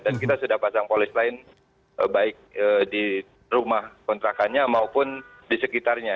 dan kita sudah pasang polis lain baik di rumah kontrakannya maupun di sekitarnya